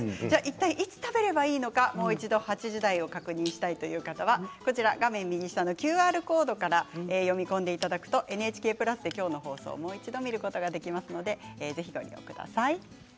いったいいつ食べればいいのかもう一度８時台を確認したいという方は画面右下のＱＲコードから読み込んでいただくとＮＨＫプラスで今日の放送をもう一度見ることができますのでご利用ください。